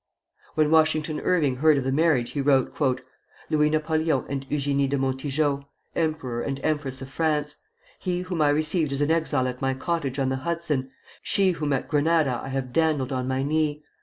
When Washington Irving heard of the marriage, he wrote: "Louis Napoleon and Eugénie de Montijo, Emperor and Empress of France! He whom I received as an exile at my cottage on the Hudson, she whom at Granada I have dandled on my knee!